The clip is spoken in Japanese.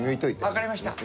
わかりました。